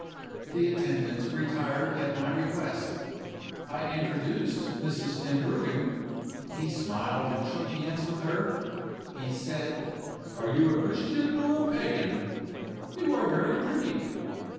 The attendant retired at my request. I introduced Mrs. Tenbruggen. He smiled and shook hands with her. He said: 'Are you a Christian or a Pagan? You are very pretty.